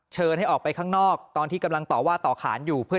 ให้ออกไปข้างนอกตอนที่กำลังต่อว่าต่อขานอยู่เพื่อ